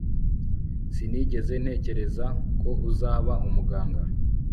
Sinigeze ntekereza ko uzaba umuganga